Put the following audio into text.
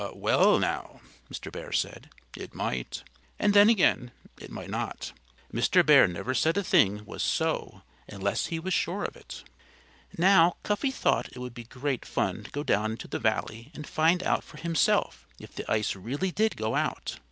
"Well, now " Mr. Bear said, "it might. And then again, it might not." Mr. Bear never said a thing was so unless he was sure of it. Now, Cuffy thought it would be great fun to go down into the valley and find out for himself if the ice really did go out.